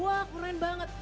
wah keren banget